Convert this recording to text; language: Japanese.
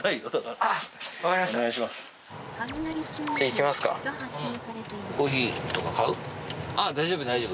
あっ大丈夫です大丈夫？